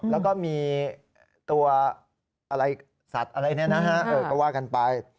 แล้วก็มีตัวอะไรสัตว์อะไรเนี่ยนะฮะก็ว่ากันไป